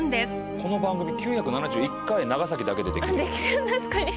この番組９７１回長崎だけでできる。